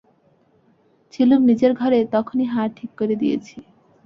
ছিলুম নিচের ঘরে, তখনই হাড় ঠিক করে দিয়েছি।